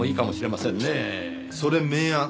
それ名案。